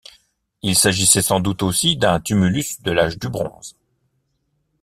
Il s'agissait sans doute aussi d'un tumulus de l'Age du bronze.